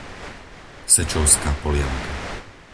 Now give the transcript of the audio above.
Sečovská Polianka